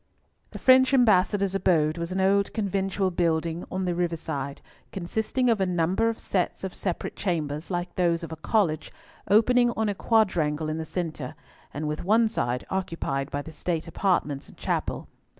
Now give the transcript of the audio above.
The French Ambassador's abode was an old conventual building on the river side, consisting of a number of sets of separate chambers, like those of a college, opening on a quadrangle in the centre, and with one side occupied by the state apartments and chapel.